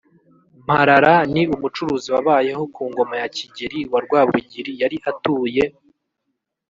mparara: ni umucuzi wabayeho ku ngoma ya kigeri wa rwabugili yari atuye